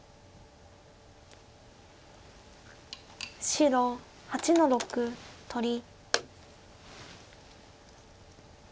白８の六取り。